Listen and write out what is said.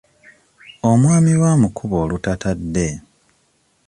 Omwami we amukuba olutatadde.